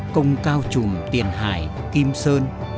công cao trùm tiền hải kim sơn